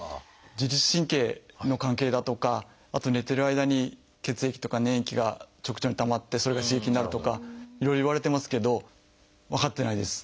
自律神経の関係だとかあと寝てる間に血液とか粘液が直腸にたまってそれが刺激になるとかいろいろいわれてますけど分かってないです。